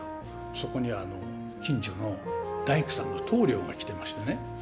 そこには近所の大工さんの棟梁が来てましてね。